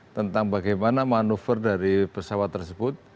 tentang bagaimana manuver dari pesawat tersebut